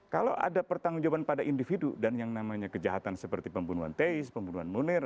kalau ada pertanggung jawaban pada individu dan yang namanya kejahatan seperti pembunuhan teis pembunuhan munir